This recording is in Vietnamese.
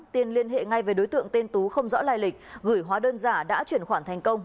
tiên liên hệ ngay với đối tượng tên tú không rõ lai lịch gửi hóa đơn giả đã chuyển khoản thành công